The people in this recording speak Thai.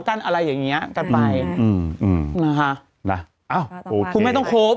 กั้นอะไรอย่างเงี้ยกันไปอ่าคุณแม่ต้องโคป